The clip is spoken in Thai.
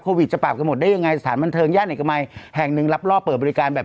จะปราบกันหมดได้ยังไงสถานบันเทิงย่านเอกมัยแห่งหนึ่งรับรอบเปิดบริการแบบ